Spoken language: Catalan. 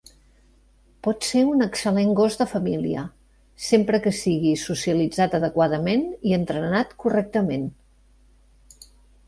Pot ser un excel·lent gos de família, sempre que sigui socialitzat adequadament i entrenat correctament.